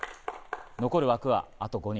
残る枠は、あと５人。